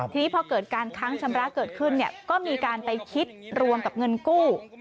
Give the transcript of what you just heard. ทีนี้พอเกิดการค้างชำระเกิดขึ้นก็มีการไปคิดรวมกับเงินกู้